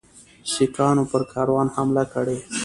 سیکهانو پر کاروان حمله کړې.